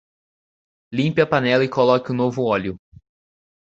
Limpe a panela e coloque um novo óleo.